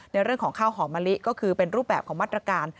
ในเรื่องของข้าวหอมมะลิก็คือเป็นรูปแบบของมาตรการ